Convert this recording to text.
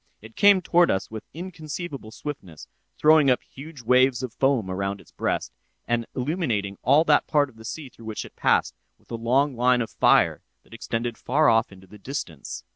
It came toward us with inconceivable swiftness, throwing up huge waves of foam around its breast, and illuminating all that part of the sea through which it passed, with a long line of fire that extended far off into the distance.